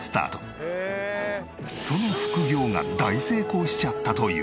その副業が大成功しちゃったという。